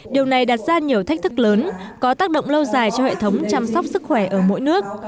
điều này đặt ra nhiều thách thức lớn có tác động lâu dài cho hệ thống chăm sóc sức khỏe ở mỗi nước